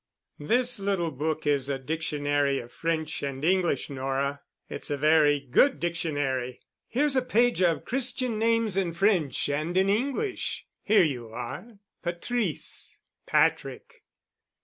"This little book is a dictionary of French and English, Nora. It's a very good dictionary. Here's a page of Christian names in French and in English. Here you are: Patrice—Patrick.